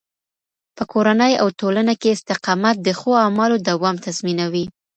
په کورني او ټولنه کې استقامت د ښو اعمالو دوام تضمینوي.